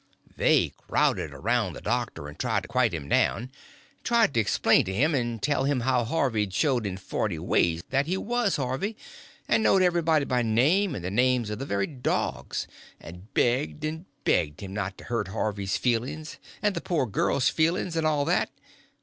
They crowded around the doctor and tried to quiet him down, and tried to explain to him and tell him how Harvey 'd showed in forty ways that he was Harvey, and knowed everybody by name, and the names of the very dogs, and begged and begged him not to hurt Harvey's feelings and the poor girl's feelings, and all that.